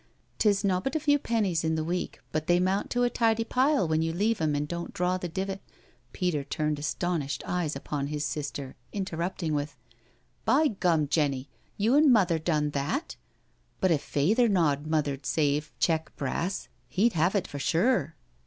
'Tis nobbut a few pennies in the week, but they mount to a tidy pile when you leave 'em and don't draw the divi. •••" Peter turned astonished eyes upon his sister, in terrupting with, " By gum, Jenny, you an' mother done that? But if fayther knawd mother'd save check brass he'd have it for sure."